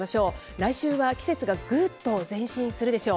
来週は季節がぐっと前進するでしょう。